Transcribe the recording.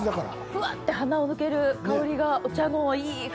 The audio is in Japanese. ふわって鼻を抜ける香りがお茶のいい香りが。